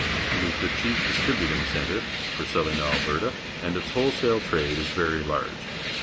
It is the chief distri buting centre for southern Alberta, and its wholesale trade is verj large.